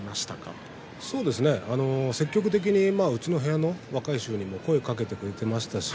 積極的にうちの部屋の若い衆に声をかけてくれました。